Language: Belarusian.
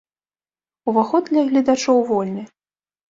Уваход для гледачоў вольны.